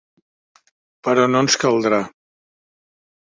Però no ens caldrà.